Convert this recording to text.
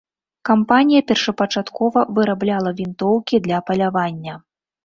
Кампанія першапачаткова вырабляла вінтоўкі для палявання.